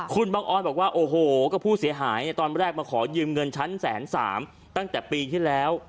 คุณบังออนบอกว่าโอ้โหก็ผู้เสียหายตอนแรกมาขอยืมเงินฉันแสนสามตั้งแต่ปีที่แล้ว